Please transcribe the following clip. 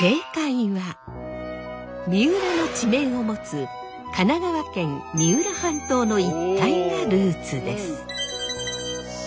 三浦の地名を持つ神奈川県三浦半島の一帯がルーツです。